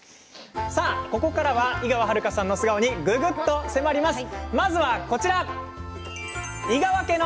ここからは、井川遥さんの素顔にぐぐっと迫ります。